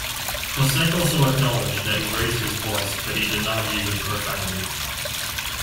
Klocek also acknowledged that he raised his voice, but he denied using profanity.